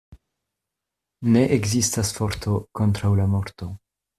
Ne ekzistas forto kontraŭ la morto.